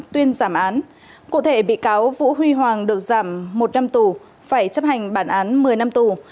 tuyên giảm án cụ thể bị cáo vũ huy hoàng được giảm một năm tù phải chấp hành bản án một mươi năm tù